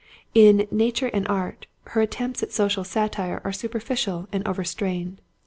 In Nature and Art, her attempts at social satire are superficial and overstrained.